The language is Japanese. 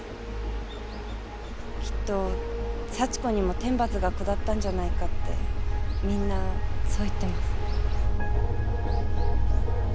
きっと幸子にも天罰が下ったんじゃないかってみんなそう言ってます。